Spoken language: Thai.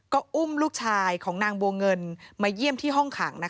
ก็อุ้มลูกชายของนางบัวเงินมาเยี่ยมที่ห้องขัง